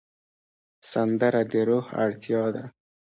سندره د روح اړتیا ده